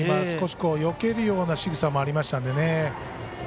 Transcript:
少しよけるようなしぐさもありましたので。